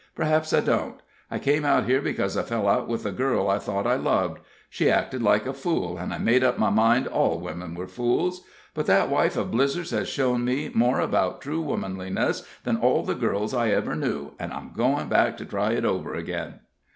Perhaps I don't. I came out here because I fell out with a girl I thought I loved. She acted like a fool, and I made up my mind all women were fools. But that wife of Blizzer's has shown me more about true womanliness than all the girls I ever knew, and I'm going back to try it over again."